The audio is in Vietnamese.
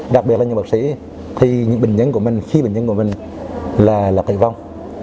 đặc biệt là những bác sĩ thì những bệnh nhân của mình khi bệnh nhân của mình là tử vong